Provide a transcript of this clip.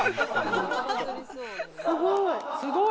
すごい！